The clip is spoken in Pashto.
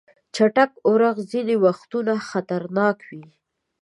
چټک اورښت ځینې وختونه خطرناک وي.